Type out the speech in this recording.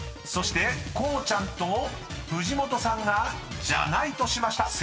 ［そしてこうちゃんと藤本さんがジャナイとしました］